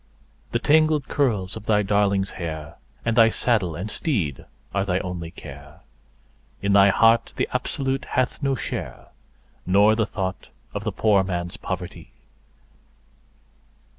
The tangled curls of thy darling's hair, and thy saddle and teed are thy only care; In thy heart the Absolute hath no share, nor the thought of the poor man's poverty.